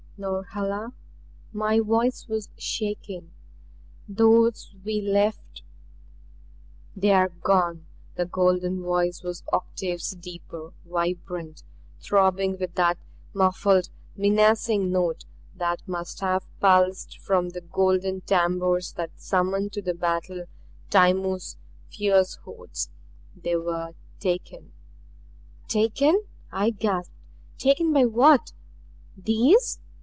"Norhala!" My voice was shaking. "Those we left " "They are gone!" The golden voice was octaves deeper, vibrant, throbbing with that muffled, menacing note that must have pulsed from the golden tambours that summoned to battle Timur's fierce hordes. "They were taken." "Taken!" I gasped. "Taken by what these?"